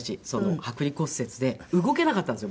剥離骨折で動けなかったんですよ